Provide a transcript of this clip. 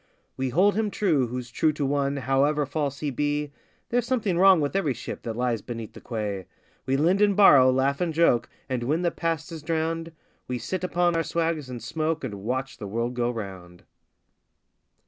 We hold him true who's true to one however false he be (There's something wrong with every ship that lies beside the quay); We lend and borrow, laugh and joke, and when the past is drowned, We sit upon our swags and smoke and watch the world go round.